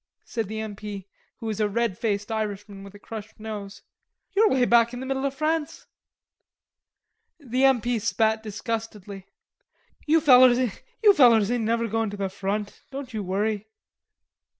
said the M. P., who was a red faced Irishman with a crushed nose. "You're 'way back in the middle of France." The M. P. spat disgustedly. "You fellers ain't never goin' to the front, don't you worry."